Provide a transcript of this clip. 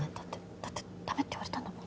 だってダメって言われたんだもん